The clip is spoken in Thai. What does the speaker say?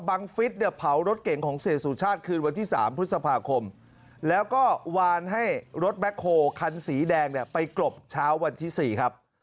ฟิศเนี่ยเผารถเก่งของเสียสุชาติคืนวันที่๓พฤษภาคมแล้วก็วานให้รถแบ็คโฮคันสีแดงเนี่ยไปกรบเช้าวันที่๔ครับ